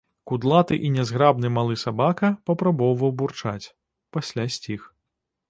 Кудлаты і нязграбны малы сабака папробаваў бурчаць, пасля сціх.